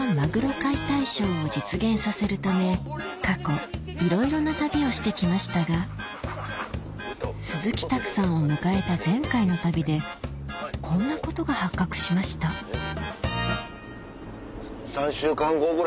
解体ショーを実現させるため過去いろいろな旅をして来ましたが鈴木拓さんを迎えた前回の旅でこんなことが発覚しましたえっ？